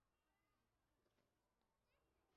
阿克和瑟南站门口设有社会车辆停车场。